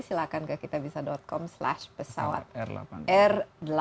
silahkan ke kitabisa com slash pesawat r delapan puluh